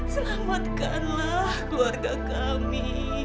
selamatkanlah keluarga kami